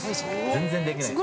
◆全然できない。